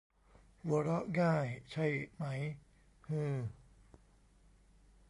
หัวเราะง่ายใช่ไหม ฮือ ?